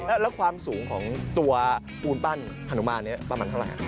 แล้วความสูงของตัวปูนปั้นฮานุมานนี้ประมาณเท่าไหร่ครับ